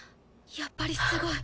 やっぱりすごい。